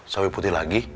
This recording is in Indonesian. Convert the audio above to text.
sawe putih lagi